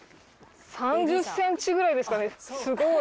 ３０ｃｍぐらいですかね